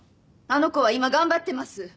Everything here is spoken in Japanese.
あの子は今頑張ってます